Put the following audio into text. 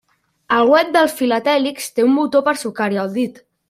El web dels filatèlics té un botó per sucar-hi el dit.